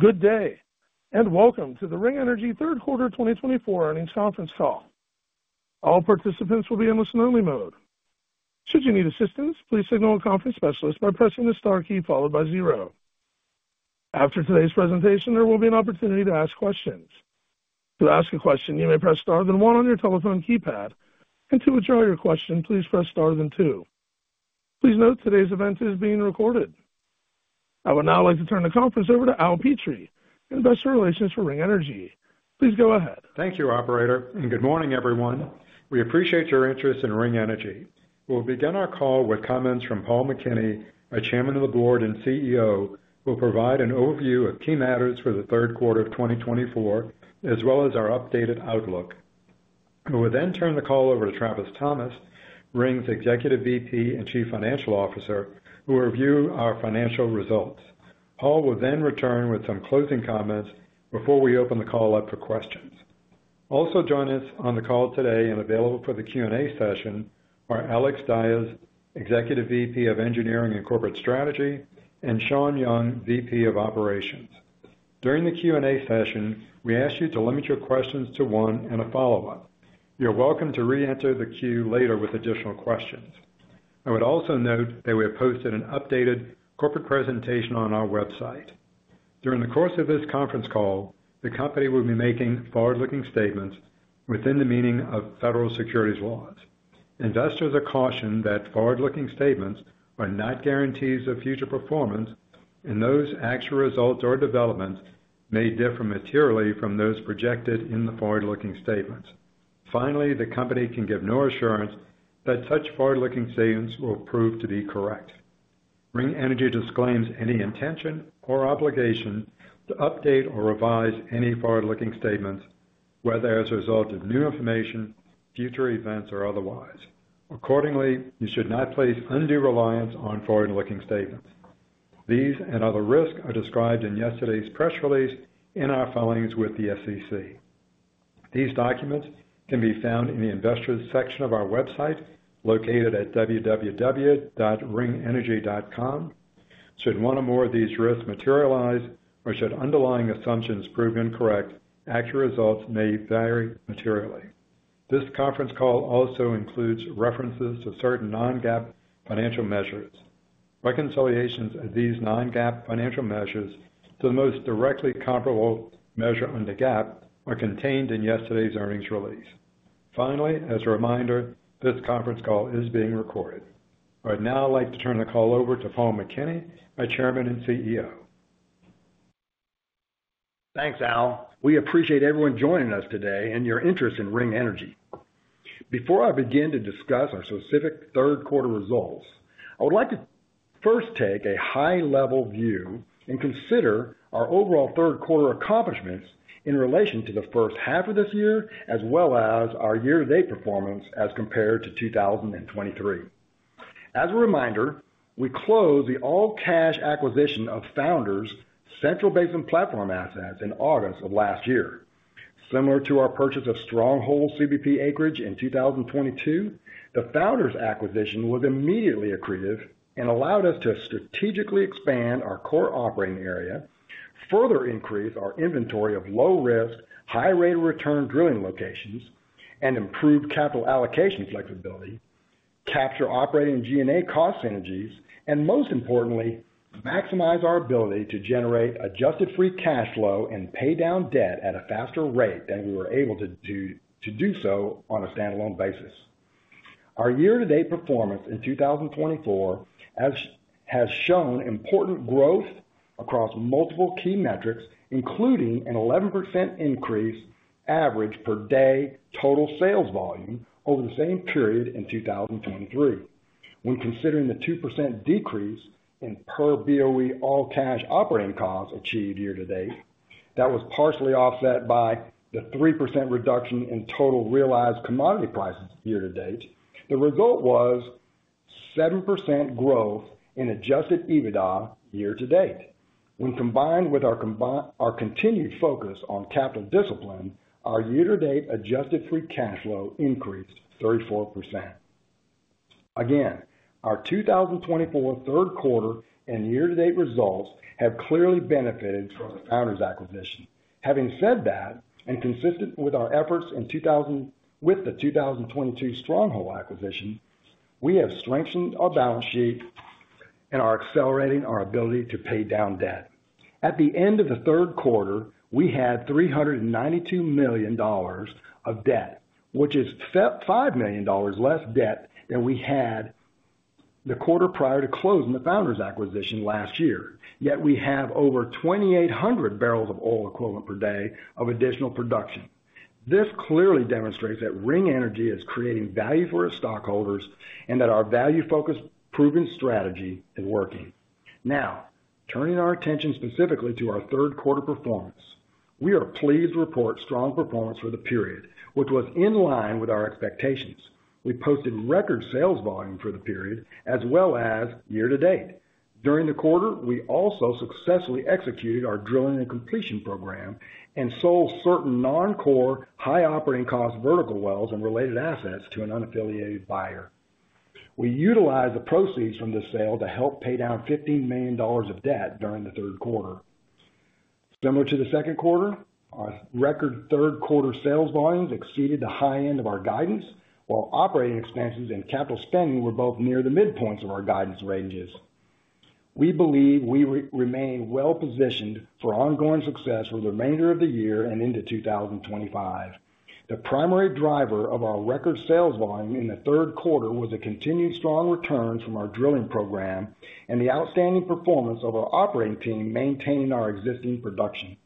Good day, and welcome to the Ring Energy Third Quarter 2024 Earnings Conference Call. All participants will be in listen-only mode. Should you need assistance, please signal a conference specialist by pressing the star key followed by zero. After today's presentation, there will be an opportunity to ask questions. To ask a question, you may press star then one on your telephone keypad, and to withdraw your question, please press star then two. Please note today's event is being recorded. I would now like to turn the conference over to Al Petrie, Investor Relations for Ring Energy. Please go ahead. Thank you, Operator, and good morning, everyone. We appreciate your interest in Ring Energy. We'll begin our call with comments from Paul McKinney, our Chairman of the Board and CEO, who will provide an overview of key matters for the third quarter of 2024, as well as our updated outlook. We will then turn the call over to Travis Thomas, Ring's Executive VP and Chief Financial Officer, who will review our financial results. Paul will then return with some closing comments before we open the call up for questions. Also joining us on the call today and available for the Q&A session are Alex Dyes, Executive VP of Engineering and Corporate Strategy, and Shawn Young, VP of Operations. During the Q&A session, we ask you to limit your questions to one and a follow-up. You're welcome to re-enter the queue later with additional questions. I would also note that we have posted an updated corporate presentation on our website. During the course of this conference call, the company will be making forward-looking statements within the meaning of federal securities laws. Investors are cautioned that forward-looking statements are not guarantees of future performance, and those actual results or developments may differ materially from those projected in the forward-looking statements. Finally, the company can give no assurance that such forward-looking statements will prove to be correct. Ring Energy disclaims any intention or obligation to update or revise any forward-looking statements, whether as a result of new information, future events, or otherwise. Accordingly, you should not place undue reliance on forward-looking statements. These and other risks are described in yesterday's press release and our filings with the SEC. These documents can be found in the Investors section of our website located at www.ringenergy.com. Should one or more of these risks materialize, or should underlying assumptions prove incorrect, actual results may vary materially. This conference call also includes references to certain non-GAAP financial measures. Reconciliations of these non-GAAP financial measures to the most directly comparable measure under GAAP are contained in yesterday's earnings release. Finally, as a reminder, this conference call is being recorded. I would now like to turn the call over to Paul McKinney, our Chairman and CEO. Thanks, Al. We appreciate everyone joining us today and your interest in Ring Energy. Before I begin to discuss our specific third quarter results, I would like to first take a high-level view and consider our overall third quarter accomplishments in relation to the first half of this year, as well as our year-to-date performance as compared to 2023. As a reminder, we closed the all-cash acquisition of Founders' Central Basin Platform assets in August of last year. Similar to our purchase of Stronghold CBP Acreage in 2022, the Founders' acquisition was immediately accretive and allowed us to strategically expand our core operating area, further increase our inventory of low-risk, high-rated return drilling locations, and improve capital allocation flexibility, capture operating G&A cost synergies, and most importantly, maximize our ability to generate Adjusted Free Cash Flow and pay down debt at a faster rate than we were able to do so on a standalone basis. Our year-to-date performance in 2024 has shown important growth across multiple key metrics, including an 11% increase average per day total sales volume over the same period in 2023. When considering the 2% decrease in per BOE all-cash operating costs achieved year-to-date, that was partially offset by the 3% reduction in total realized commodity prices year-to-date. The result was 7% growth in adjusted EBITDA year-to-date. When combined with our continued focus on capital discipline, our year-to-date Adjusted Free Cash Flow increased 34%. Again, our 2024 third quarter and year-to-date results have clearly benefited from the Founders' acquisition. Having said that, and consistent with our efforts with the 2022 Stronghold acquisition, we have strengthened our balance sheet and are accelerating our ability to pay down debt. At the end of the third quarter, we had $392 million of debt, which is $5 million less debt than we had the quarter prior to closing the Founders' acquisition last year. Yet we have over 2,800 barrels of oil equivalent per day of additional production. This clearly demonstrates that Ring Energy is creating value for its stockholders and that our value-focused proven strategy is working. Now, turning our attention specifically to our third quarter performance, we are pleased to report strong performance for the period, which was in line with our expectations. We posted record sales volume for the period as well as year-to-date. During the quarter, we also successfully executed our drilling and completion program and sold certain non-core, high operating cost vertical wells and related assets to an unaffiliated buyer. We utilized the proceeds from this sale to help pay down $15 million of debt during the third quarter. Similar to the second quarter, our record third quarter sales volumes exceeded the high end of our guidance, while operating expenses and capital spending were both near the midpoints of our guidance ranges. We believe we remain well-positioned for ongoing success for the remainder of the year and into 2025. The primary driver of our record sales volume in the third quarter was the continued strong returns from our drilling program and the outstanding performance of our operating team maintaining our existing production.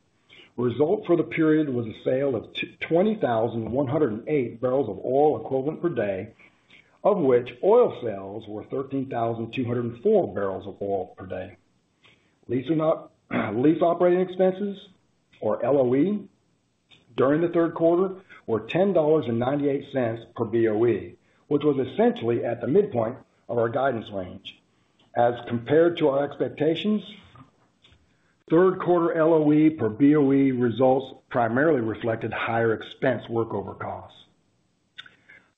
Result for the period was a sale of 20,108 barrels of oil equivalent per day, of which oil sales were 13,204 barrels of oil per day. Lease operating expenses, or LOE, during the third quarter were $10.98 per BOE, which was essentially at the midpoint of our guidance range. As compared to our expectations, third quarter LOE per BOE results primarily reflected higher expense workover costs.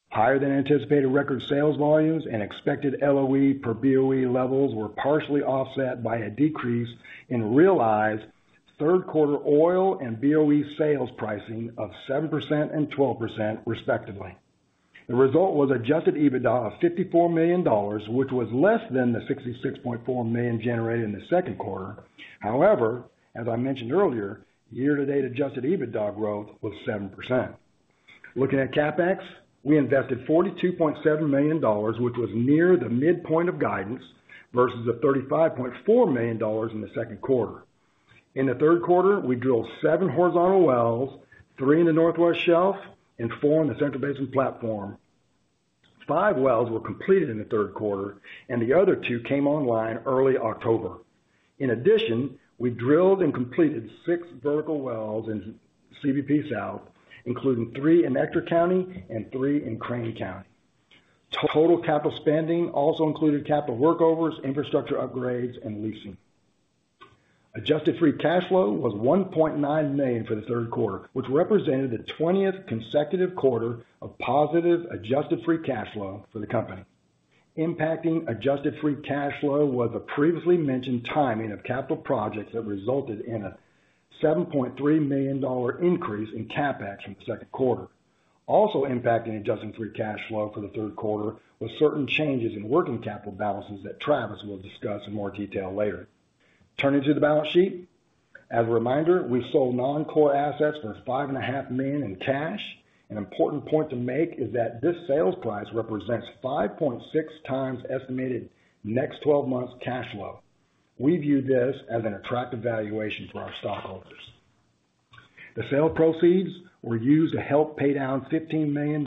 Higher than anticipated record sales volumes and expected LOE per BOE levels were partially offset by a decrease in realized third quarter oil and BOE sales pricing of 7% and 12%, respectively. The result was adjusted EBITDA of $54 million, which was less than the $66.4 million generated in the second quarter. However, as I mentioned earlier, year-to-date adjusted EBITDA growth was 7%. Looking at CapEx, we invested $42.7 million, which was near the midpoint of guidance versus the $35.4 million in the second quarter. In the third quarter, we drilled seven horizontal wells, three in the Northwest Shelf, and four in the Central Basin Platform. Five wells were completed in the third quarter, and the other two came online early October. In addition, we drilled and completed six vertical wells in CBP South, including three in Ector County and three in Crane County. Total capital spending also included capital workovers, infrastructure upgrades, and leasing. Adjusted Free Cash Flow was $1.9 million for the third quarter, which represented the 20th consecutive quarter of positive Adjusted Free Cash Flow for the company. Impacting Adjusted Free Cash Flow was the previously mentioned timing of capital projects that resulted in a $7.3 million increase in CapEx from the second quarter. Also impacting Adjusted Free Cash Flow for the third quarter was certain changes in working capital balances that Travis will discuss in more detail later. Turning to the balance sheet, as a reminder, we sold non-core assets for $5.5 million in cash. An important point to make is that this sales price represents 5.6 times estimated next 12 months' cash flow. We view this as an attractive valuation for our stockholders. The sale proceeds were used to help pay down $15 million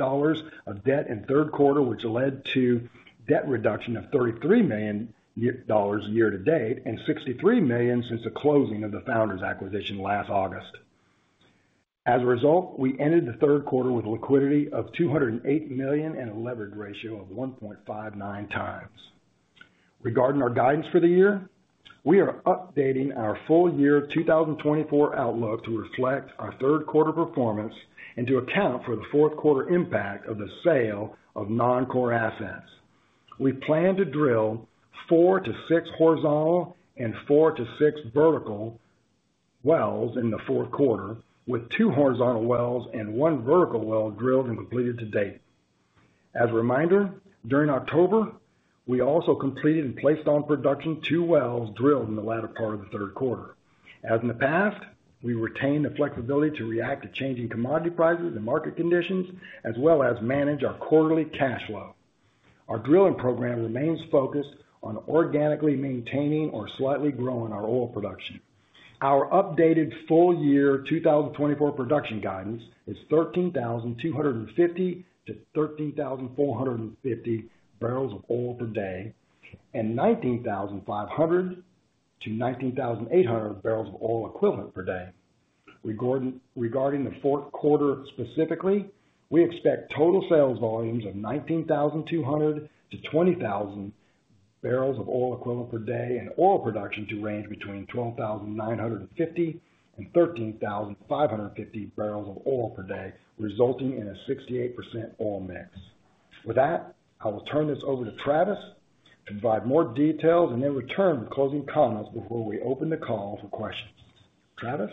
of debt in third quarter, which led to debt reduction of $33 million year-to-date and $63 million since the closing of the Founders' acquisition last August. As a result, we ended the third quarter with liquidity of $208 million and a leverage ratio of 1.59 times. Regarding our guidance for the year, we are updating our full year 2024 outlook to reflect our third quarter performance and to account for the fourth quarter impact of the sale of non-core assets. We plan to drill four to six horizontal and four to six vertical wells in the fourth quarter, with two horizontal wells and one vertical well drilled and completed to date. As a reminder, during October, we also completed and placed on production two wells drilled in the latter part of the third quarter. As in the past, we retained the flexibility to react to changing commodity prices and market conditions, as well as manage our quarterly cash flow. Our drilling program remains focused on organically maintaining or slightly growing our oil production. Our updated full year 2024 production guidance is 13,250 to 13,450 barrels of oil per day and 19,500 to 19,800 barrels of oil equivalent per day. Regarding the fourth quarter specifically, we expect total sales volumes of 19,200 to 20,000 barrels of oil equivalent per day and oil production to range between 12,950 and 13,550 barrels of oil per day, resulting in a 68% oil mix. With that, I will turn this over to Travis to provide more details and then return for closing comments before we open the call for questions. Travis?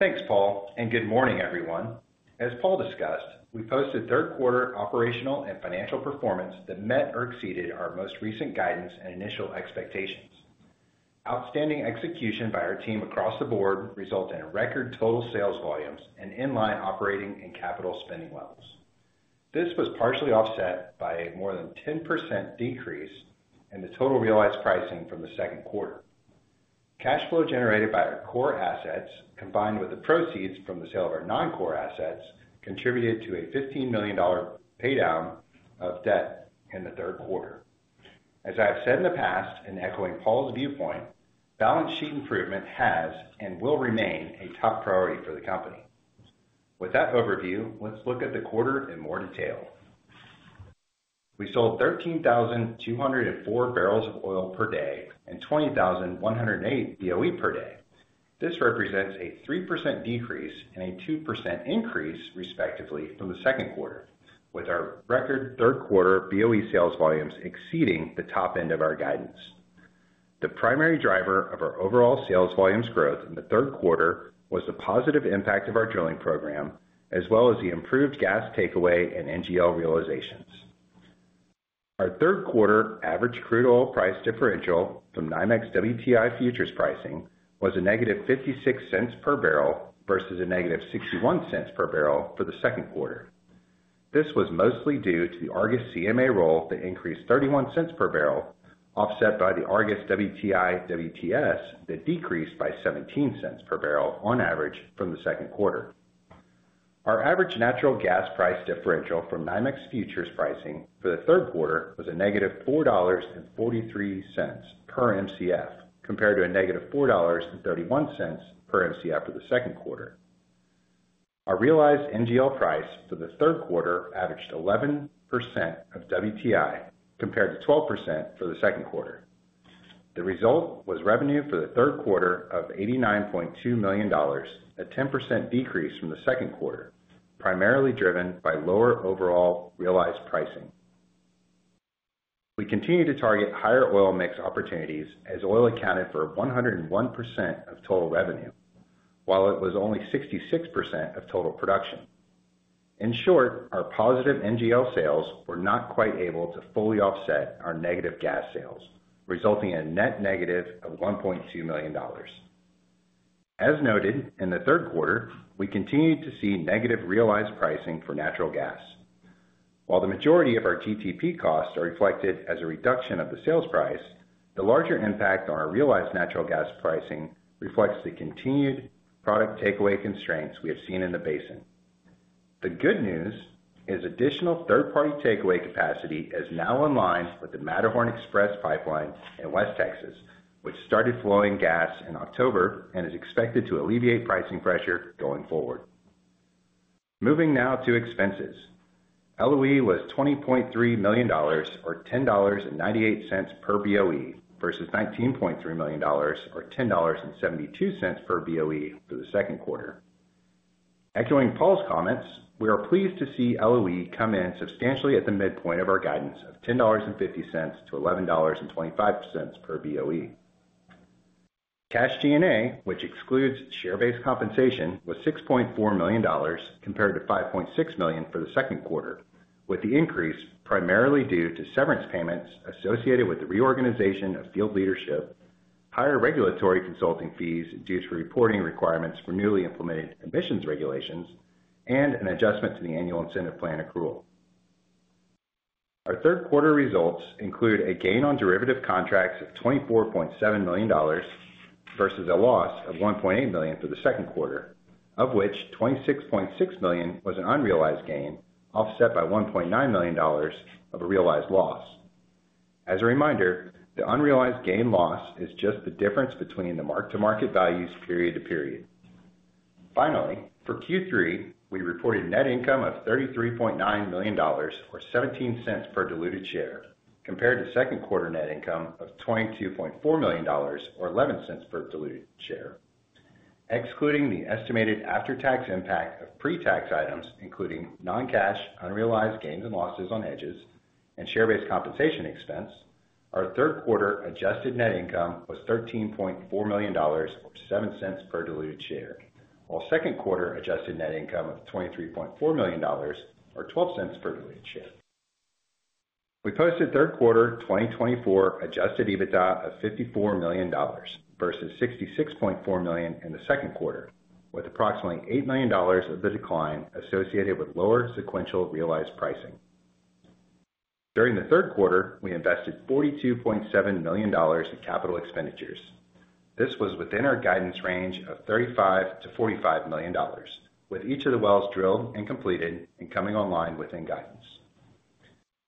Thanks, Paul, and good morning, everyone. As Paul discussed, we posted third quarter operational and financial performance that met or exceeded our most recent guidance and initial expectations. Outstanding execution by our team across the board resulted in record total sales volumes and in line operating and capital spending levels. This was partially offset by a more than 10% decrease in the total realized pricing from the second quarter. Cash flow generated by our core assets, combined with the proceeds from the sale of our non-core assets, contributed to a $15 million pay down of debt in the third quarter. As I have said in the past, and echoing Paul's viewpoint, balance sheet improvement has and will remain a top priority for the company. With that overview, let's look at the quarter in more detail. We sold 13,204 barrels of oil per day and 20,108 BOE per day. This represents a 3% decrease and a 2% increase, respectively, from the second quarter, with our record third quarter BOE sales volumes exceeding the top end of our guidance. The primary driver of our overall sales volumes growth in the third quarter was the positive impact of our drilling program, as well as the improved gas takeaway and NGL realizations. Our third quarter average crude oil price differential from NYMEX WTI futures pricing was a negative $0.56 per barrel versus a negative $0.61 per barrel for the second quarter. This was mostly due to the Argus CMA roll that increased $0.31 per barrel, offset by the Argus WTI/WTS that decreased by $0.17 per barrel on average from the second quarter. Our average natural gas price differential from NYMEX futures pricing for the third quarter was a negative $4.43 per MCF, compared to a negative $4.31 per MCF for the second quarter. Our realized NGL price for the third quarter averaged 11% of WTI, compared to 12% for the second quarter. The result was revenue for the third quarter of $89.2 million, a 10% decrease from the second quarter, primarily driven by lower overall realized pricing. We continued to target higher oil mix opportunities as oil accounted for 101% of total revenue, while it was only 66% of total production. In short, our positive NGL sales were not quite able to fully offset our negative gas sales, resulting in a net negative of $1.2 million. As noted, in the third quarter, we continued to see negative realized pricing for natural gas. While the majority of our TTP costs are reflected as a reduction of the sales price, the larger impact on our realized natural gas pricing reflects the continued product takeaway constraints we have seen in the basin. The good news is additional third-party takeaway capacity is now in line with the Matterhorn Express Pipeline in West Texas, which started flowing gas in October and is expected to alleviate pricing pressure going forward. Moving now to expenses. LOE was $20.3 million, or $10.98 per BOE, versus $19.3 million, or $10.72 per BOE for the second quarter. Echoing Paul's comments, we are pleased to see LOE come in substantially at the midpoint of our guidance of $10.50-$11.25 per BOE. Cash G&A, which excludes share-based compensation, was $6.4 million, compared to $5.6 million for the second quarter, with the increase primarily due to severance payments associated with the reorganization of field leadership, higher regulatory consulting fees due to reporting requirements for newly implemented emissions regulations, and an adjustment to the annual incentive plan accrual. Our third quarter results include a gain on derivative contracts of $24.7 million versus a loss of $1.8 million for the second quarter, of which $26.6 million was an unrealized gain, offset by $1.9 million of a realized loss. As a reminder, the unrealized gain-loss is just the difference between the mark-to-market values period to period. Finally, for Q3, we reported net income of $33.9 million, or $0.17 per diluted share, compared to second quarter net income of $22.4 million, or $0.11 per diluted share. Excluding the estimated after-tax impact of pre-tax items, including non-cash unrealized gains and losses on hedges and share-based compensation expense, our third quarter adjusted net income was $13.4 million, or $0.07 per diluted share, while second quarter adjusted net income of $23.4 million, or $0.12 per diluted share. We posted third quarter 2024 Adjusted EBITDA of $54 million versus $66.4 million in the second quarter, with approximately $8 million of the decline associated with lower sequential realized pricing. During the third quarter, we invested $42.7 million in capital expenditures. This was within our guidance range of $35 million-$45 million, with each of the wells drilled and completed and coming online within guidance.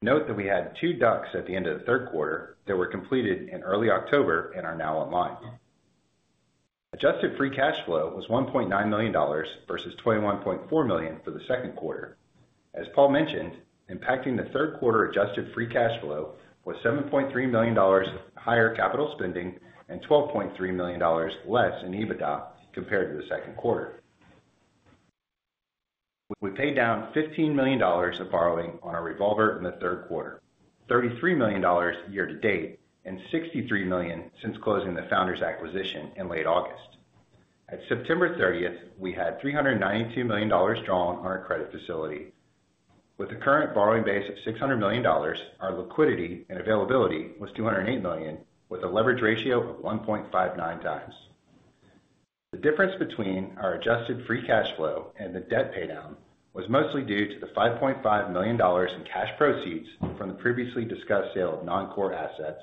Note that we had two DUCs at the end of the third quarter that were completed in early October and are now online. Adjusted Free Cash Flow was $1.9 million versus $21.4 million for the second quarter. As Paul mentioned, impacting the third quarter Adjusted Free Cash Flow was $7.3 million higher capital spending and $12.3 million less in EBITDA compared to the second quarter. We paid down $15 million of borrowing on our revolver in the third quarter, $33 million year-to-date, and $63 million since closing the Founders' acquisition in late August. At September 30th, we had $392 million drawn on our credit facility. With the current borrowing base of $600 million, our liquidity and availability was $208 million, with a leverage ratio of 1.59 times. The difference between our Adjusted Free Cash Flow and the debt pay down was mostly due to the $5.5 million in cash proceeds from the previously discussed sale of non-core assets,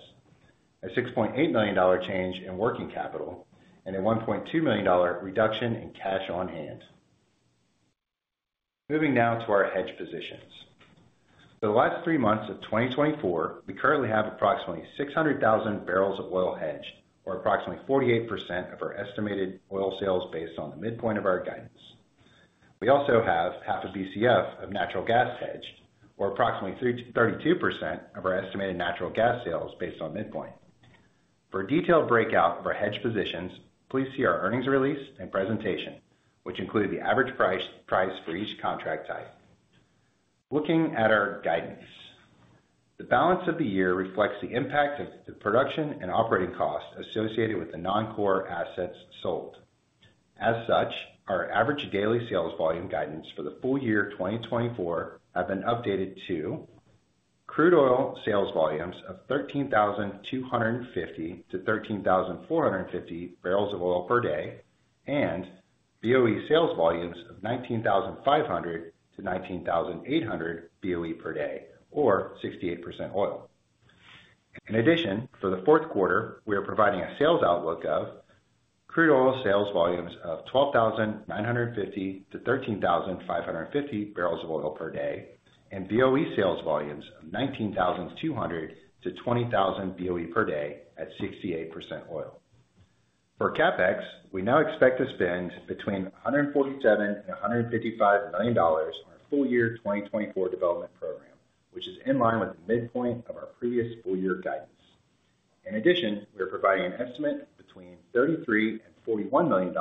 a $6.8 million change in working capital, and a $1.2 million reduction in cash on hand. Moving now to our hedge positions. For the last three months of 2024, we currently have approximately 600,000 barrels of oil hedged, or approximately 48% of our estimated oil sales based on the midpoint of our guidance. We also have 0.5 BCF of natural gas hedged, or approximately 32% of our estimated natural gas sales based on midpoint. For a detailed breakout of our hedge positions, please see our earnings release and presentation, which include the average price for each contract type. Looking at our guidance, the balance of the year reflects the impact of the production and operating costs associated with the non-core assets sold. As such, our average daily sales volume guidance for the full year 2024 has been updated to crude oil sales volumes of 13,250-13,450 barrels of oil per day and BOE sales volumes of 19,500-19,800 BOE per day, or 68% oil. In addition, for the fourth quarter, we are providing a sales outlook of crude oil sales volumes of 12,950-13,550 barrels of oil per day and BOE sales volumes of 19,200-20,000 BOE per day at 68% oil. For CapEx, we now expect to spend between $147 million and $155 million on our full year 2024 development program, which is in line with the midpoint of our previous full year guidance. In addition, we are providing an estimate between $33 million and $41 million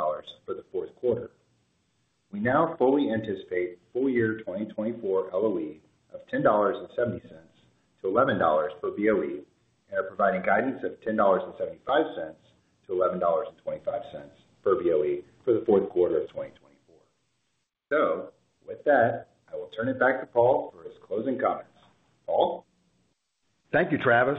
for the fourth quarter. We now fully anticipate full year 2024 LOE of $10.70-$11 per BOE and are providing guidance of $10.75-$11.25 per BOE for the fourth quarter of 2024. So, with that, I will turn it back to Paul for his closing comments. Paul? Thank you, Travis.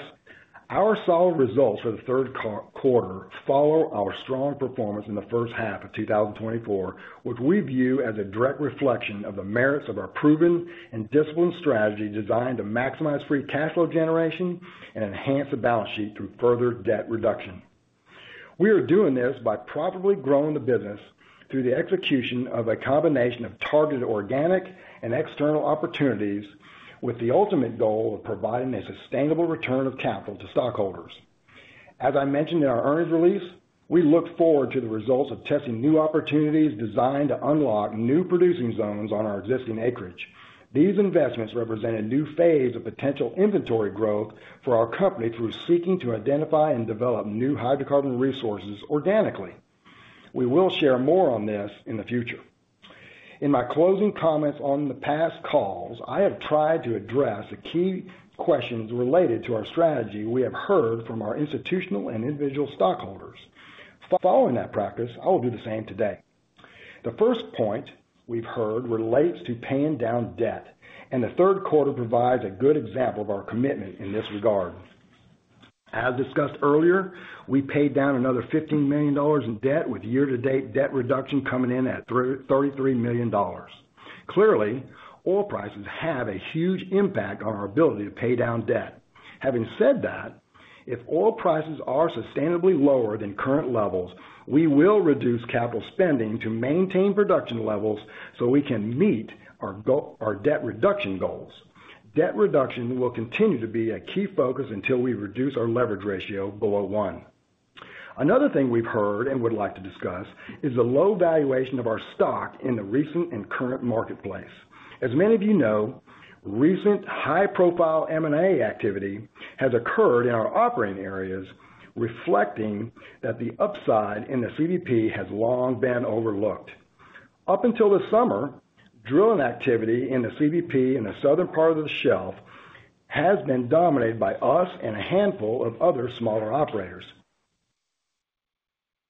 Our solid results for the third quarter follow our strong performance in the first half of 2024, which we view as a direct reflection of the merits of our proven and disciplined strategy designed to maximize free cash flow generation and enhance the balance sheet through further debt reduction. We are doing this by profitably growing the business through the execution of a combination of targeted organic and external opportunities, with the ultimate goal of providing a sustainable return of capital to stockholders. As I mentioned in our earnings release, we look forward to the results of testing new opportunities designed to unlock new producing zones on our existing acreage. These investments represent a new phase of potential inventory growth for our company through seeking to identify and develop new hydrocarbon resources organically. We will share more on this in the future. In my closing comments on the past calls, I have tried to address the key questions related to our strategy we have heard from our institutional and individual stockholders. Following that practice, I will do the same today. The first point we've heard relates to paying down debt, and the third quarter provides a good example of our commitment in this regard. As discussed earlier, we paid down another $15 million in debt, with year-to-date debt reduction coming in at $33 million. Clearly, oil prices have a huge impact on our ability to pay down debt. Having said that, if oil prices are sustainably lower than current levels, we will reduce capital spending to maintain production levels so we can meet our debt reduction goals. Debt reduction will continue to be a key focus until we reduce our leverage ratio below one. Another thing we've heard and would like to discuss is the low valuation of our stock in the recent and current marketplace. As many of you know, recent high-profile M&A activity has occurred in our operating areas, reflecting that the upside in the CBP has long been overlooked. Up until this summer, drilling activity in the CBP in the southern part of the shelf has been dominated by us and a handful of other smaller operators.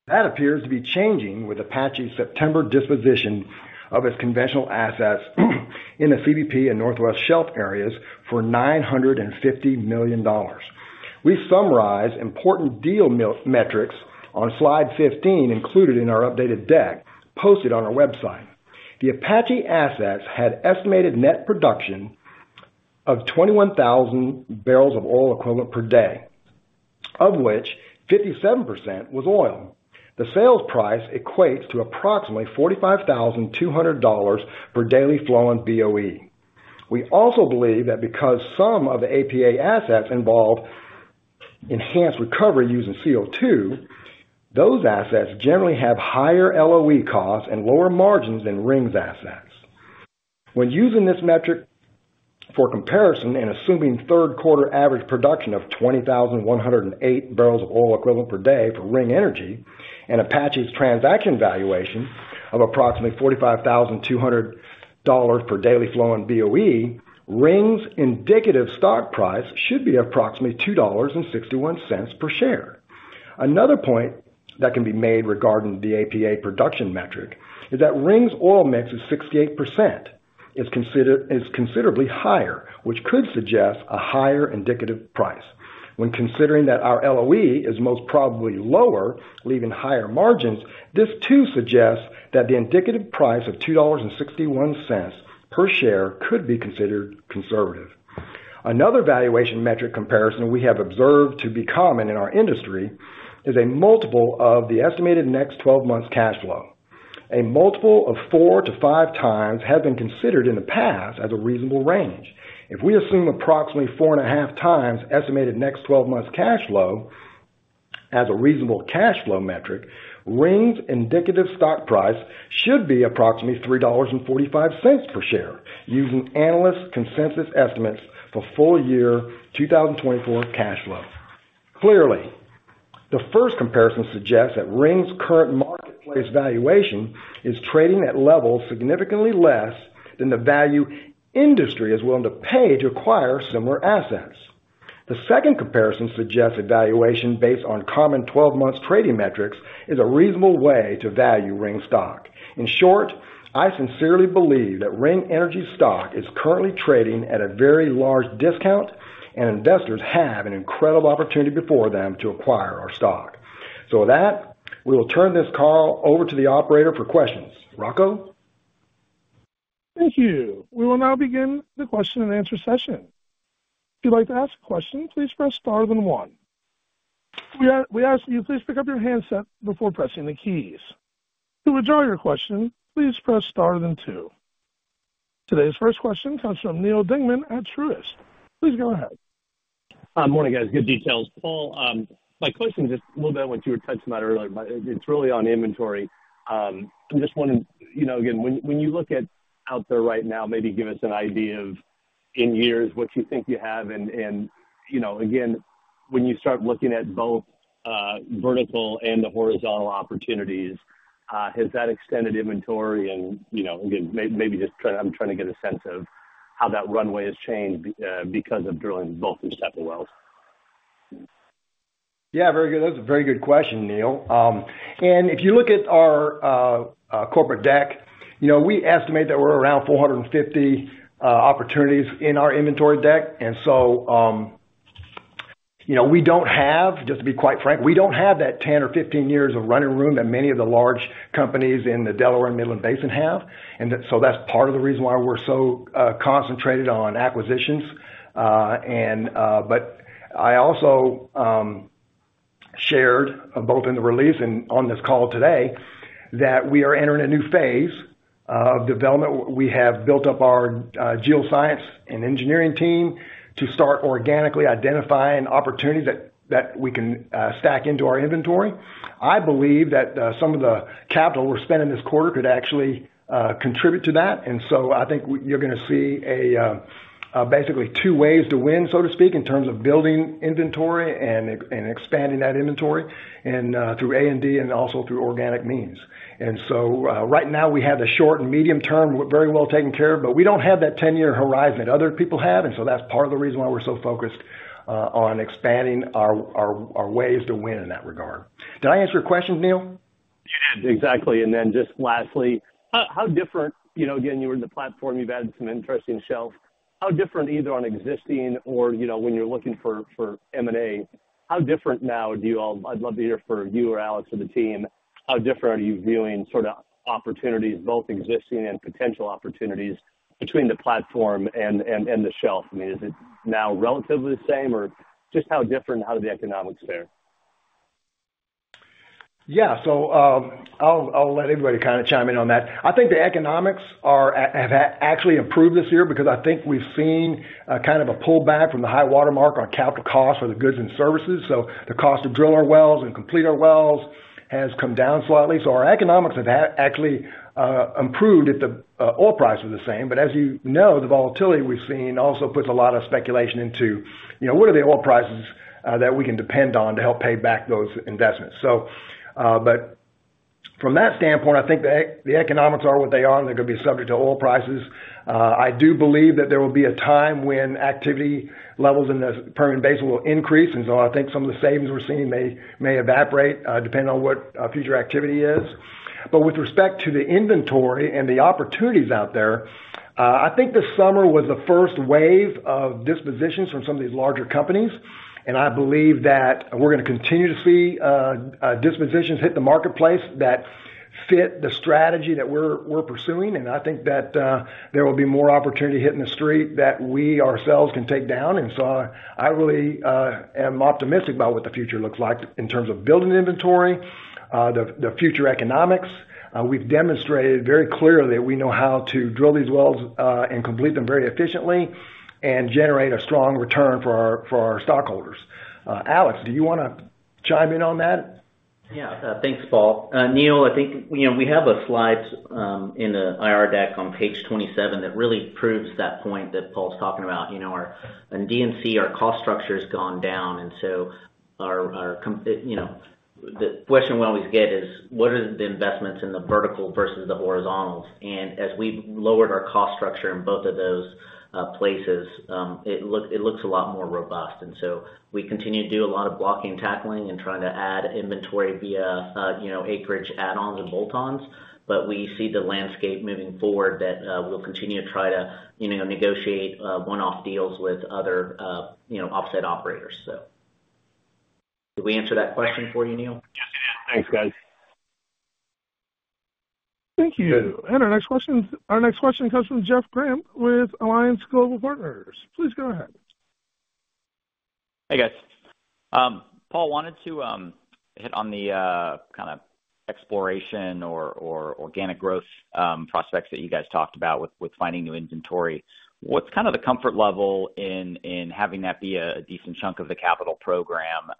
That appears to be changing with Apache's September disposition of its conventional assets in the CBP and Northwest Shelf areas for $950 million. We summarize important deal metrics on slide 15 included in our updated deck posted on our website. The Apache assets had estimated net production of 21,000 barrels of oil equivalent per day, of which 57% was oil. The sales price equates to approximately $45,200 per daily flowing BOE. We also believe that because some of the APA assets involve enhanced recovery using CO2, those assets generally have higher LOE costs and lower margins than Ring's assets. When using this metric for comparison and assuming third quarter average production of 20,108 barrels of oil equivalent per day for Ring Energy and Apache's transaction valuation of approximately $45,200 per daily flowing BOE, Ring's indicative stock price should be approximately $2.61 per share. Another point that can be made regarding the APA production metric is that Ring's oil mix is 68%. It's considerably higher, which could suggest a higher indicative price. When considering that our LOE is most probably lower, leaving higher margins, this too suggests that the indicative price of $2.61 per share could be considered conservative. Another valuation metric comparison we have observed to be common in our industry is a multiple of the estimated next 12 months' cash flow. A multiple of four to five times has been considered in the past as a reasonable range. If we assume approximately four and a half times estimated next 12 months' cash flow as a reasonable cash flow metric, Ring's indicative stock price should be approximately $3.45 per share, using analysts' consensus estimates for full year 2024 cash flow. Clearly, the first comparison suggests that Ring's current marketplace valuation is trading at levels significantly less than the value industry is willing to pay to acquire similar assets. The second comparison suggests that valuation based on common 12-month trading metrics is a reasonable way to value Ring stock. In short, I sincerely believe that Ring Energy's stock is currently trading at a very large discount, and investors have an incredible opportunity before them to acquire our stock. So with that, we will turn this call over to the operator for questions. Rocco? Thank you. We will now begin the question-and-answer session. If you'd like to ask a question, please press star then one. We ask that you please pick up your handset before pressing the keys. To withdraw your question, please press star then two. Today's first question comes from Neal Dingmann at Truist. Please go ahead. Hi, morning, guys. Good details. Paul, my question is just a little bit on what you were touching on earlier, but it's really on inventory. I'm just wondering, again, when you look at what's out there right now, maybe give us an idea of in years what you think you have. And again, when you start looking at both vertical and the horizontal opportunities, has that extended inventory and, again, maybe just trying to get a sense of how that runway has changed because of drilling both these type of wells? Yeah, very good. That's a very good question, Neal. And if you look at our corporate deck, we estimate that we're around 450 opportunities in our inventory deck. And so we don't have, just to be quite frank, we don't have that 10 or 15 years of running room that many of the large companies in the Delaware Basin and Midland Basin have. And so that's part of the reason why we're so concentrated on acquisitions. But I also shared, both in the release and on this call today, that we are entering a new phase of development. We have built up our geoscience and engineering team to start organically identifying opportunities that we can stack into our inventory. I believe that some of the capital we're spending this quarter could actually contribute to that. And so I think you're going to see basically two ways to win, so to speak, in terms of building inventory and expanding that inventory through A and D and also through organic means. And so right now, we have the short and medium term very well taken care of, but we don't have that 10-year horizon that other people have. And so that's part of the reason why we're so focused on expanding our ways to win in that regard. Did I answer your question, Neal? You did. Exactly. And then just lastly, how different, again, you were in the platform, you've added some interesting shelf. How different either on existing or when you're looking for M&A, how different now do you all, I'd love to hear from you or Alex or the team, how different are you viewing sort of opportunities, both existing and potential opportunities between the platform and the shelf? I mean, is it now relatively the same, or just how different and how do the economics fare? Yeah. So I'll let everybody kind of chime in on that. I think the economics have actually improved this year because I think we've seen kind of a pullback from the high watermark on capital costs for the goods and services. So the cost to drill our wells and complete our wells has come down slightly. So our economics have actually improved if the oil price was the same. But as you know, the volatility we've seen also puts a lot of speculation into what are the oil prices that we can depend on to help pay back those investments. But from that standpoint, I think the economics are what they are, and they're going to be subject to oil prices. I do believe that there will be a time when activity levels in the Permian Basin will increase. And so I think some of the savings we're seeing may evaporate depending on what future activity is. But with respect to the inventory and the opportunities out there, I think this summer was the first wave of dispositions from some of these larger companies. And I believe that we're going to continue to see dispositions hit the marketplace that fit the strategy that we're pursuing. And I think that there will be more opportunity hit in the street that we ourselves can take down. And so I really am optimistic about what the future looks like in terms of building inventory, the future economics. We've demonstrated very clearly that we know how to drill these wells and complete them very efficiently and generate a strong return for our stockholders. Alex, do you want to chime in on that? Yeah. Thanks, Paul. Neal, I think we have a slide in the IR deck on page 27 that really proves that point that Paul's talking about. In D&C, our cost structure has gone down, and so the question we always get is, what are the investments in the vertical versus the horizontals? And as we've lowered our cost structure in both of those places, it looks a lot more robust, and so we continue to do a lot of blocking and tackling and trying to add inventory via acreage add-ons and bolt-ons, but we see the landscape moving forward that we'll continue to try to negotiate one-off deals with other offset operators, so did we answer that question for you, Neal? Yes, it is. Thanks, guys. Thank you. And our next question comes from Jeff Grampp with Alliance Global Partners. Please go ahead. Hey, guys. Paul wanted to hit on the kind of exploration or organic growth prospects that you guys talked about with finding new inventory. What's kind of the comfort level in having that be a decent chunk of the capital program?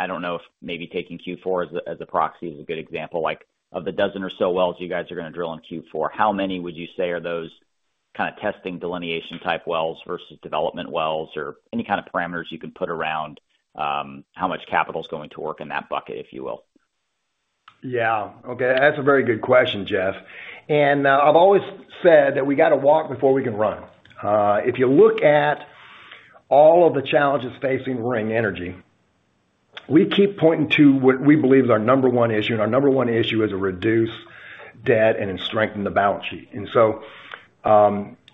I don't know if maybe taking Q4 as a proxy is a good example. Of the dozen or so wells you guys are going to drill in Q4, how many would you say are those kind of testing delineation type wells versus development wells or any kind of parameters you can put around how much capital is going to work in that bucket, if you will? Yeah. Okay. That's a very good question, Jeff, and I've always said that we got to walk before we can run. If you look at all of the challenges facing Ring Energy, we keep pointing to what we believe is our number one issue, and our number one issue is to reduce debt and strengthen the balance sheet,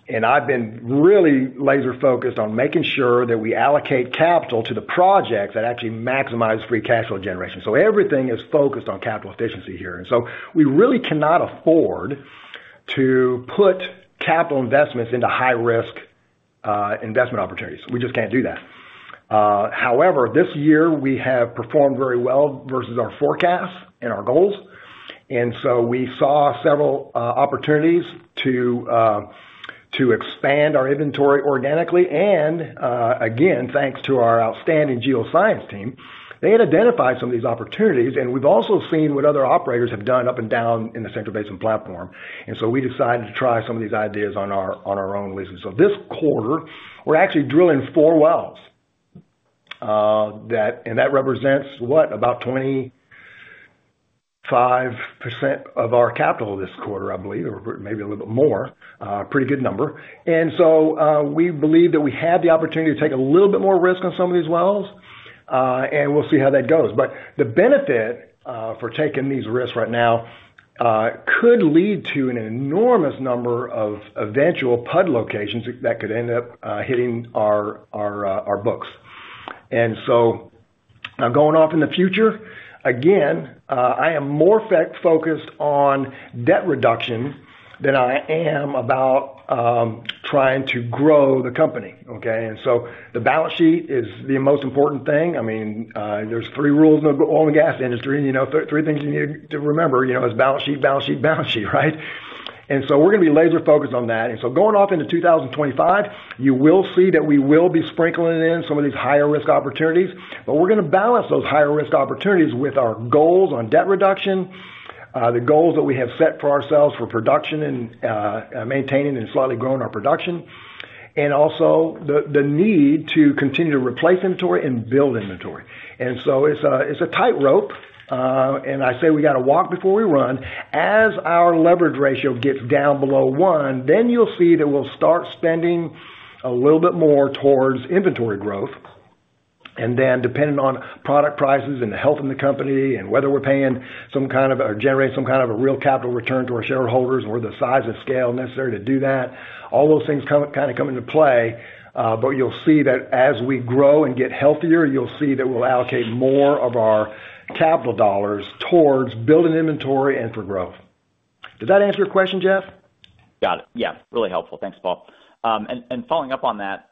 and I've been really laser-focused on making sure that we allocate capital to the projects that actually maximize free cash flow generation. So everything is focused on capital efficiency here, and so we really cannot afford to put capital investments into high-risk investment opportunities. We just can't do that. However, this year, we have performed very well versus our forecasts and our goals, and so we saw several opportunities to expand our inventory organically. And again, thanks to our outstanding geoscience team, they had identified some of these opportunities. And we've also seen what other operators have done up and down in the Central Basin Platform. And so we decided to try some of these ideas for our own reasons. So this quarter, we're actually drilling four wells. And that represents what? About 25% of our capital this quarter, I believe, or maybe a little bit more. Pretty good number. And so we believe that we have the opportunity to take a little bit more risk on some of these wells. And we'll see how that goes. But the benefit for taking these risks right now could lead to an enormous number of eventual PUD locations that could end up hitting our books. And so going forward in the future, again, I am more focused on debt reduction than I am about trying to grow the company. Okay? And so the balance sheet is the most important thing. I mean, there's three rules in the oil and gas industry, three things you need to remember, balance sheet, balance sheet, balance sheet, right? And so we're going to be laser-focused on that. And so going off into 2025, you will see that we will be sprinkling in some of these higher-risk opportunities. But we're going to balance those higher-risk opportunities with our goals on debt reduction, the goals that we have set for ourselves for production and maintaining and slightly growing our production, and also the need to continue to replace inventory and build inventory. And so it's a tightrope. And I say we got to walk before we run. As our leverage ratio gets down below one, then you'll see that we'll start spending a little bit more towards inventory growth. And then depending on product prices and the health of the company and whether we're paying some kind of or generating some kind of a real capital return to our shareholders or the size and scale necessary to do that, all those things kind of come into play. But you'll see that as we grow and get healthier, you'll see that we'll allocate more of our capital dollars towards building inventory and for growth. Did that answer your question, Jeff? Got it. Yeah. Really helpful. Thanks, Paul. And following up on that,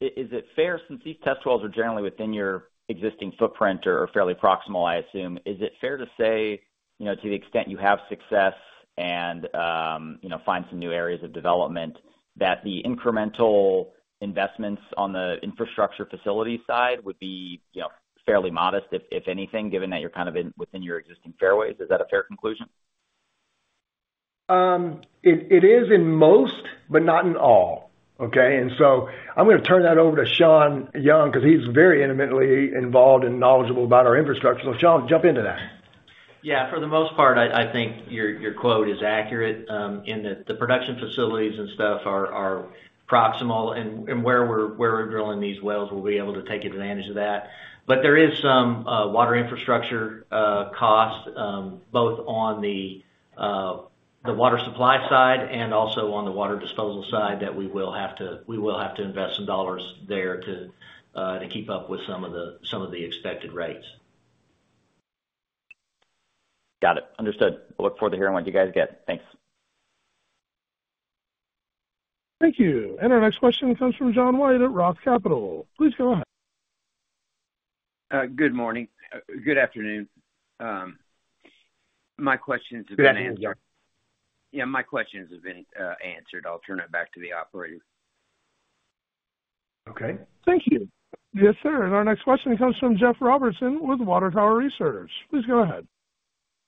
is it fair since these test wells are generally within your existing footprint or fairly proximal, I assume? Is it fair to say to the extent you have success and find some new areas of development that the incremental investments on the infrastructure facility side would be fairly modest, if anything, given that you're kind of within your existing fairways? Is that a fair conclusion? It is in most, but not in all. Okay? And so I'm going to turn that over to Shawn Young because he's very intimately involved and knowledgeable about our infrastructure. So Shawn, jump into that. Yeah. For the most part, I think your quote is accurate in that the production facilities and stuff are proximal. And where we're drilling these wells, we'll be able to take advantage of that. But there is some water infrastructure cost, both on the water supply side and also on the water disposal side, that we will have to invest some dollars there to keep up with some of the expected rates. Got it. Understood. Look forward to hearing what you guys get. Thanks. Thank you. And our next question comes from John White at Roth Capital. Please go ahead. Good morning. Good afternoon. My questions have been answered. Yeah, my questions have been answered. I'll turn it back to the operator. Okay. Thank you. Yes, sir. And our next question comes from Jeff Robertson with Water Tower Research. Please go ahead.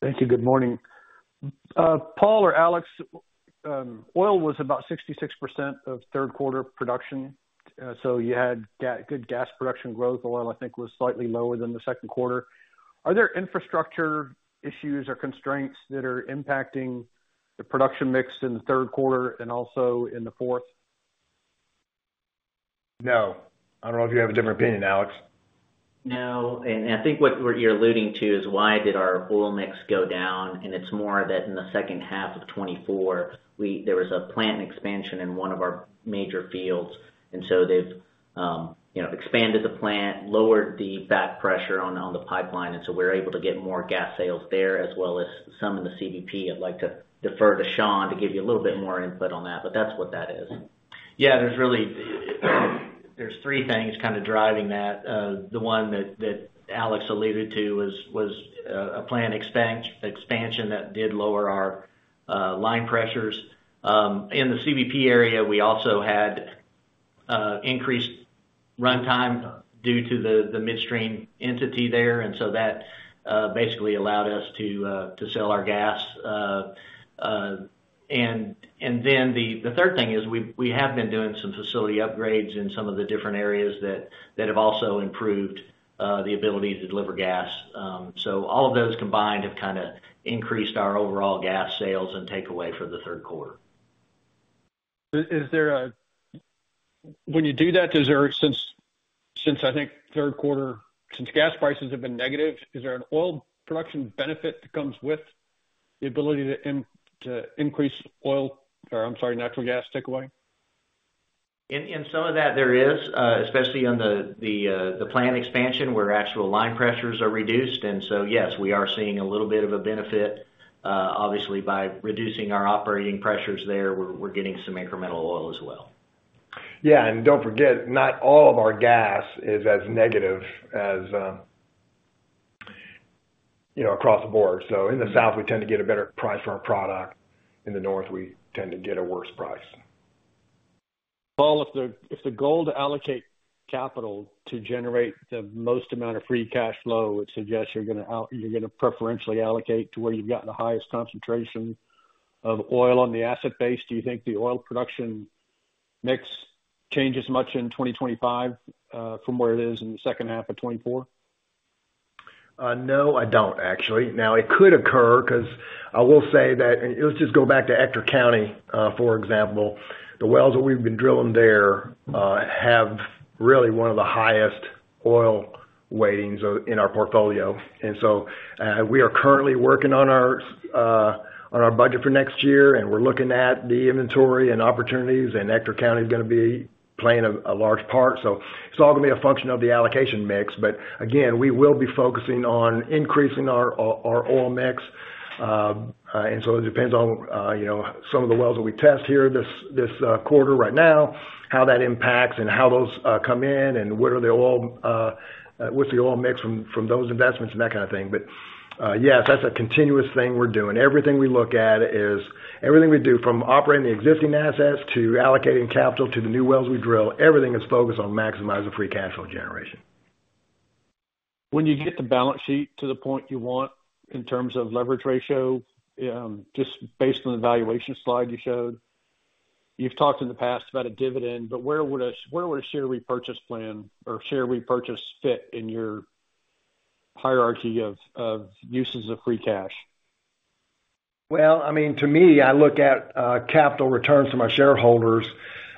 Thank you. Good morning. Paul or Alex, oil was about 66% of third-quarter production. So you had good gas production growth. Oil, I think, was slightly lower than the second quarter. Are there infrastructure issues or constraints that are impacting the production mix in the third quarter and also in the fourth? No. I don't know if you have a different opinion, Alex. No. And I think what you're alluding to is why did our oil mix go down? And it's more that in the second half of 2024, there was a plant expansion in one of our major fields. And so they've expanded the plant, lowered the back pressure on the pipeline. And so we're able to get more gas sales there as well as some in the CBP. I'd like to defer to Shawn to give you a little bit more input on that. But that's what that is. Yeah. There's three things kind of driving that. The one that Alex alluded to was a plant expansion that did lower our line pressures. In the CBP area, we also had increased runtime due to the midstream entity there. And so that basically allowed us to sell our gas. And then the third thing is we have been doing some facility upgrades in some of the different areas that have also improved the ability to deliver gas. So all of those combined have kind of increased our overall gas sales and takeaway for the third quarter. When you do that, since I think third quarter, since gas prices have been negative, is there an oil production benefit that comes with the ability to increase oil or, I'm sorry, natural gas takeaway? In some of that, there is, especially on the plant expansion where actual line pressures are reduced. And so yes, we are seeing a little bit of a benefit. Obviously, by reducing our operating pressures there, we're getting some incremental oil as well. Yeah. And don't forget, not all of our gas is as negative as across the board. So in the south, we tend to get a better price for our product. In the north, we tend to get a worse price. Paul, if the goal to allocate capital to generate the most amount of free cash flow, it suggests you're going to preferentially allocate to where you've got the highest concentration of oil on the asset base. Do you think the oil production mix changes much in 2025 from where it is in the second half of 2024? No, I don't, actually. Now, it could occur because I will say that let's just go back to Ector County, for example. The wells that we've been drilling there have really one of the highest oil weightings in our portfolio. And so we are currently working on our budget for next year. And we're looking at the inventory and opportunities. And Ector County is going to be playing a large part. So it's all going to be a function of the allocation mix. But again, we will be focusing on increasing our oil mix. And so it depends on some of the wells that we test here this quarter right now, how that impacts and how those come in and what's the oil mix from those investments and that kind of thing. But yes, that's a continuous thing we're doing. Everything we look at is everything we do from operating the existing assets to allocating capital to the new wells we drill, everything is focused on maximizing free cash flow generation. When you get the balance sheet to the point you want in terms of leverage ratio, just based on the valuation slide you showed, you've talked in the past about a dividend. But where would a share repurchase plan or share repurchase fit in your hierarchy of uses of free cash? Well, I mean, to me, I look at capital returns from our shareholders.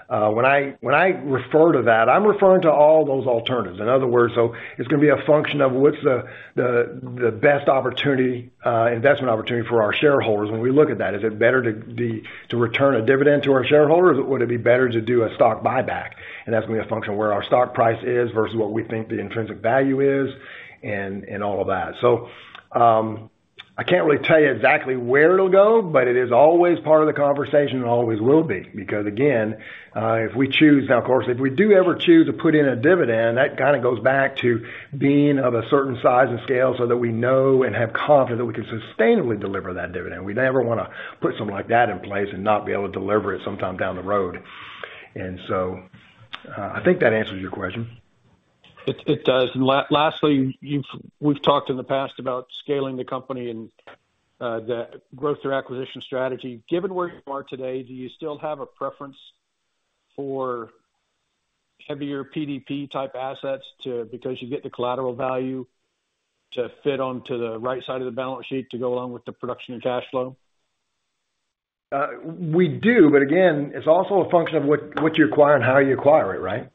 When I refer to that, I'm referring to all those alternatives. In other words, so it's going to be a function of what's the best investment opportunity for our shareholders when we look at that. Is it better to return a dividend to our shareholders? Would it be better to do a stock buyback? And that's going to be a function of where our stock price is versus what we think the intrinsic value is and all of that. So I can't really tell you exactly where it'll go, but it is always part of the conversation and always will be. Because again, if we choose now, of course, if we do ever choose to put in a dividend, that kind of goes back to being of a certain size and scale so that we know and have confidence that we can sustainably deliver that dividend. We never want to put something like that in place and not be able to deliver it sometime down the road. And so I think that answers your question. It does. And lastly, we've talked in the past about scaling the company and the growth or acquisition strategy. Given where you are today, do you still have a preference for heavier PDP-type assets because you get the collateral value to fit onto the right side of the balance sheet to go along with the production and cash flow? We do, but again, it's also a function of what you acquire and how you acquire it, right?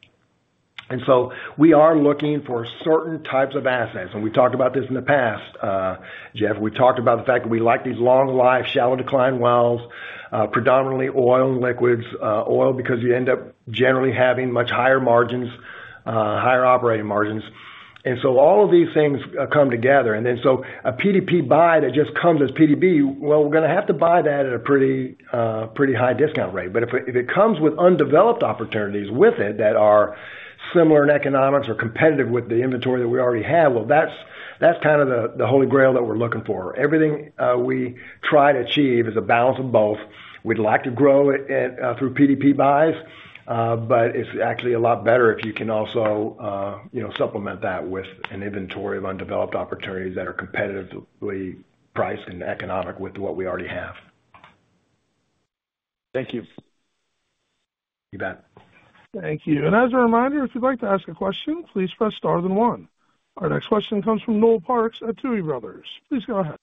and so we are looking for certain types of assets, and we talked about this in the past, Jeff. We talked about the fact that we like these long-life, shallow-decline wells, predominantly oil and liquids, oil because you end up generally having much higher margins, higher operating margins. And so all of these things come together, and then so a PDP buy that just comes as PDP, well, we're going to have to buy that at a pretty high discount rate. But if it comes with undeveloped opportunities with it that are similar in economics or competitive with the inventory that we already have, well, that's kind of the Holy Grail that we're looking for. Everything we try to achieve is a balance of both. We'd like to grow it through PDP buys, but it's actually a lot better if you can also supplement that with an inventory of undeveloped opportunities that are competitively priced and economic with what we already have. Thank you. You bet. Thank you. And as a reminder, if you'd like to ask a question, please press star then one. Our next question comes from Noel Parks at Tuohy Brothers. Please go ahead.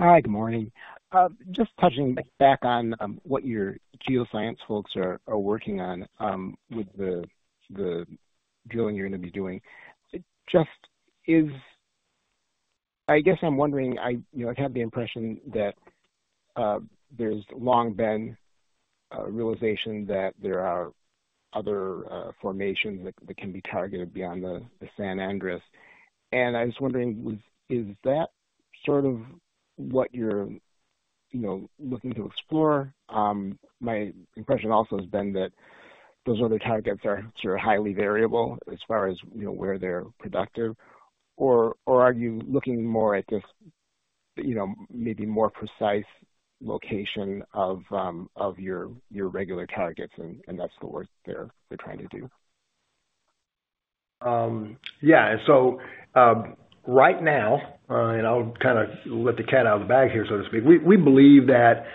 Hi. Good morning. Just touching back on what your geoscience folks are working on with the drilling you're going to be doing. I guess I'm wondering, I've had the impression that there's long been a realization that there are other formations that can be targeted beyond the San Andres. And I was wondering, is that sort of what you're looking to explore? My impression also has been that those other targets are sort of highly variable as far as where they're productive. Or are you looking more at just maybe more precise location of your regular targets and that's the work they're trying to do? Yeah. And so right now, and I'll kind of let the cat out of the bag here, so to speak, we believe that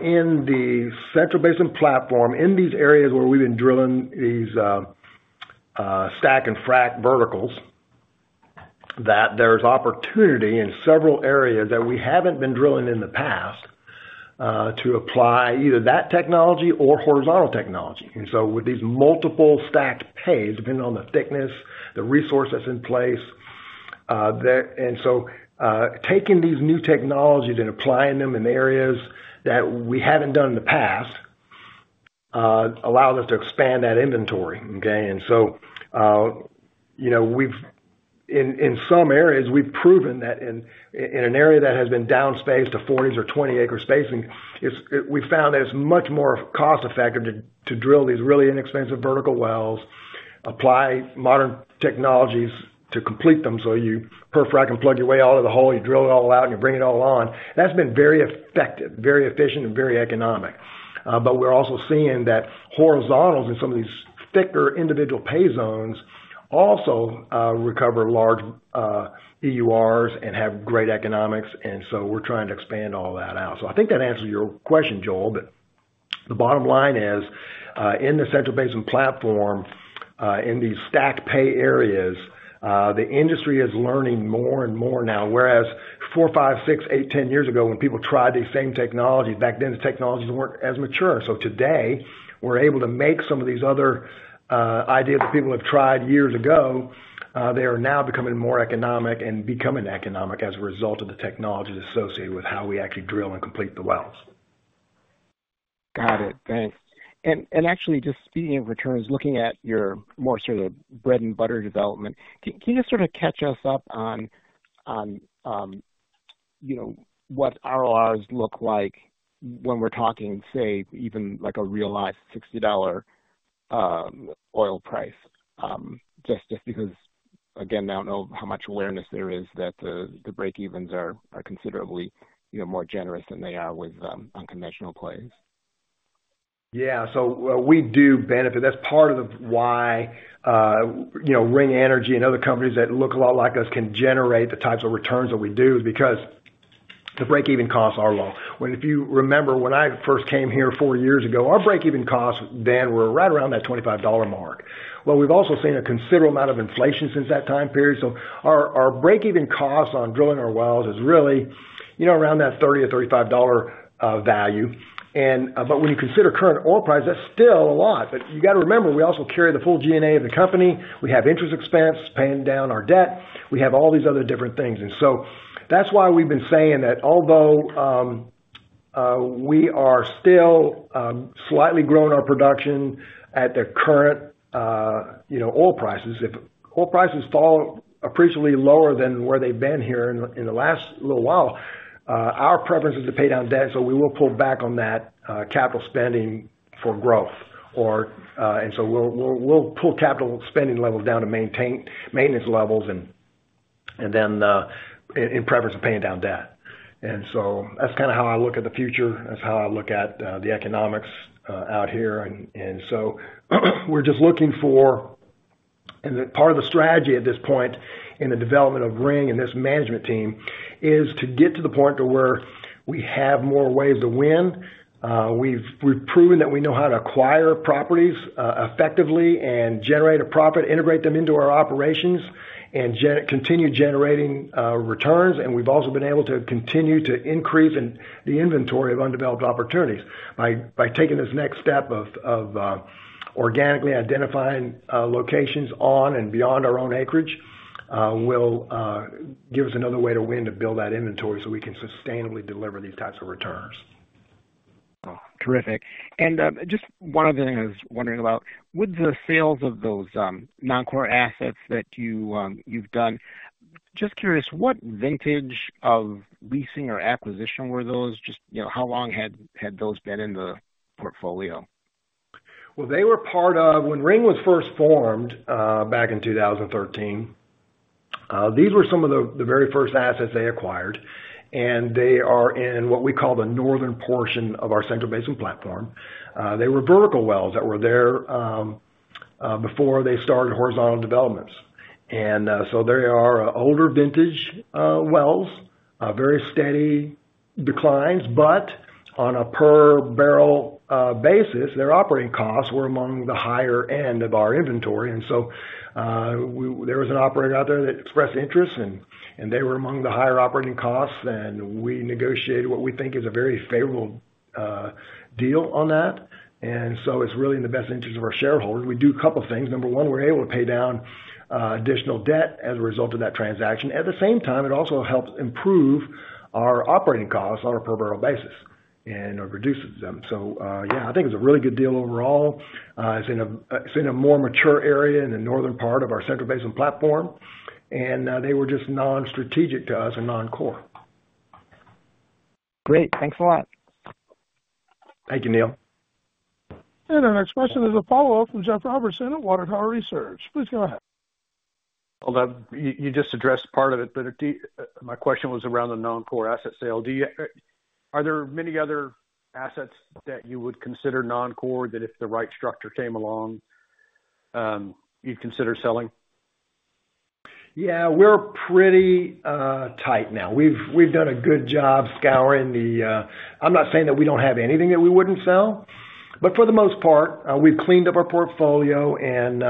in the Central Basin Platform, in these areas where we've been drilling these Stack and Frac verticals, that there's opportunity in several areas that we haven't been drilling in the past to apply either that technology or horizontal technology. And so with these multiple stacked pays, depending on the thickness, the resource that's in place, and so taking these new technologies and applying them in areas that we haven't done in the past allows us to expand that inventory. Okay? And so in some areas, we've proven that in an area that has been downspaced to 40s or 20-acre spacing, we found that it's much more cost-effective to drill these really inexpensive vertical wells, apply modern technologies to complete them. So you perfectly plug your way out of the hole, you drill it all out, and you bring it all on. That's been very effective, very efficient, and very economic. But we're also seeing that horizontals in some of these thicker individual pay zones also recover large EURs and have great economics. And so we're trying to expand all that out. So I think that answers your question, Noel. But the bottom line is in the Central Basin Platform, in these stack pay areas, the industry is learning more and more now. Whereas four, five, six, eight, ten years ago, when people tried these same technologies, back then, the technologies weren't as mature. So today, we're able to make some of these other ideas that people have tried years ago. They are now becoming more economic and becoming economic as a result of the technologies associated with how we actually drill and complete the wells. Got it. Thanks, and actually, just speaking of returns, looking at your more sort of bread-and-butter development, can you just sort of catch us up on what ROIs look like when we're talking, say, even a realized $60 oil price? Just because, again, I don't know how much awareness there is that the break-evens are considerably more generous than they are with unconventional plays. Yeah. So we do benefit. That's part of why Ring Energy and other companies that look a lot like us can generate the types of returns that we do is because the break-even costs are low. If you remember, when I first came here four years ago, our break-even costs then were right around that $25 mark. Well, we've also seen a considerable amount of inflation since that time period. So our break-even costs on drilling our wells is really around that $30-$35 value. But when you consider current oil price, that's still a lot. But you got to remember, we also carry the full DNA of the company. We have interest expense paying down our debt. We have all these other different things. And so that's why we've been saying that although we are still slightly growing our production at the current oil prices, if oil prices fall appreciably lower than where they've been here in the last little while, our preference is to pay down debt. So we will pull back on that capital spending for growth. And so we'll pull capital spending levels down to maintenance levels and then in preference of paying down debt. And so that's kind of how I look at the future. That's how I look at the economics out here. And so we're just looking for part of the strategy at this point in the development of Ring and this management team is to get to the point to where we have more ways to win. We've proven that we know how to acquire properties effectively and generate a profit, integrate them into our operations, and continue generating returns. And we've also been able to continue to increase the inventory of undeveloped opportunities. By taking this next step of organically identifying locations on and beyond our own acreage will give us another way to win to build that inventory so we can sustainably deliver these types of returns. Terrific. And just one other thing I was wondering about. With the sales of those non-core assets that you've done, just curious, what vintage of leasing or acquisition were those? Just how long had those been in the portfolio? They were part of when Ring was first formed back in 2013. These were some of the very first assets they acquired, and they are in what we call the northern portion of our Central Basin Platform. They were vertical wells that were there before they started horizontal developments, and so they are older vintage wells, very steady declines, but on a per-barrel basis, their operating costs were among the higher end of our inventory. So there was an operator out there that expressed interest, and they were among the higher operating costs, and we negotiated what we think is a very favorable deal on that, so it's really in the best interest of our shareholders. We do a couple of things. Number one, we're able to pay down additional debt as a result of that transaction. At the same time, it also helps improve our operating costs on a per-barrel basis and reduces them, so yeah, I think it's a really good deal overall. It's in a more mature area in the northern part of our Central Basin Platform, and they were just non-strategic to us and non-core. Great. Thanks a lot. Thank you, Noel. Our next question is a follow-up from Jeff Robertson at Water Tower Research. Please go ahead. Hold on. You just addressed part of it, but my question was around the non-core asset sale. Are there many other assets that you would consider non-core that if the right structure came along, you'd consider selling? Yeah. We're pretty tight now. We've done a good job scouring them. I'm not saying that we don't have anything that we wouldn't sell. But for the most part, we've cleaned up our portfolio. And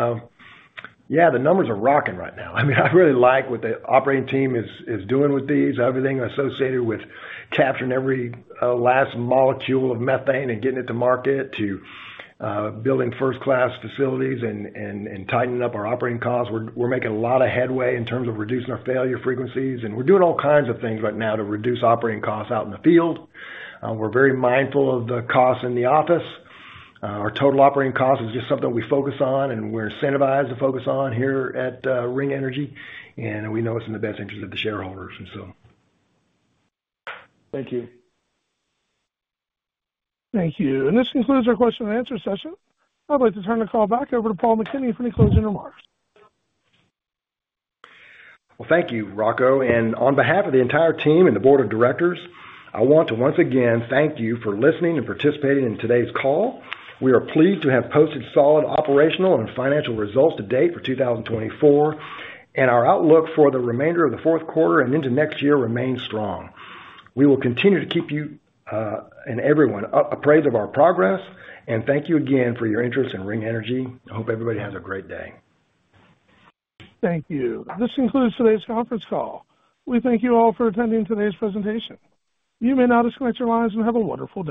yeah, the numbers are rocking right now. I mean, I really like what the operating team is doing with these, everything associated with capturing every last molecule of methane and getting it to market, to building first-class facilities and tightening up our operating costs. We're making a lot of headway in terms of reducing our failure frequencies. And we're doing all kinds of things right now to reduce operating costs out in the field. We're very mindful of the costs in the office. Our total operating cost is just something we focus on, and we're incentivized to focus on here at Ring Energy. We know it's in the best interest of the shareholders, and so. Thank you. Thank you. And this concludes our question and answer session. I'd like to turn the call back over to Paul McKinney for any closing remarks. Thank you, Rocco. On behalf of the entire team and the board of directors, I want to once again thank you for listening and participating in today's call. We are pleased to have posted solid operational and financial results to date for 2024. Our outlook for the remainder of the fourth quarter and into next year remains strong. We will continue to keep you and everyone appraised of our progress. Thank you again for your interest in Ring Energy. I hope everybody has a great day. Thank you. This concludes today's conference call. We thank you all for attending today's presentation. You may now disconnect your lines and have a wonderful day.